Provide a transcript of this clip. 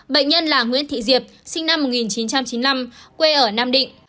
bệnh nhân là nguyễn thị diệp sinh năm một nghìn chín trăm chín mươi năm quê ở nam định